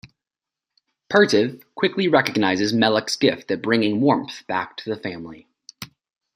Pertev quickly recognizes Melek's gift at bringing warmth back to the family.